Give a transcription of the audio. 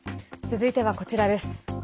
続いては、こちらです。